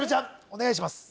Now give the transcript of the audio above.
お願いします